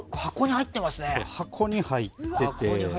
箱に入ってて。